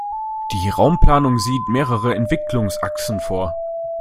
Die Raumplanung sieht mehrere Entwicklungsachsen vor.